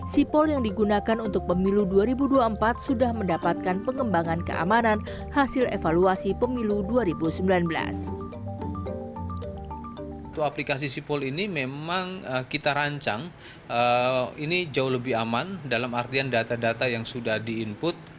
sipol yang digunakan untuk pemilu dua ribu dua puluh empat sudah mendapatkan pengembangan keamanan hasil evaluasi pemilu dua ribu sembilan belas